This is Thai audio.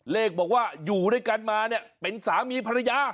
เลขบอกว่าอยู่ด้วยกันมาเนี่ยเป็นสามีภรรยา